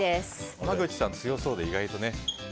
濱口さん、強そうで意外とね。